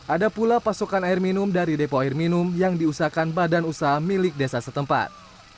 ada pula pasokan air minum dari depo air minum yang diusahakan badan usaha milik desa setempat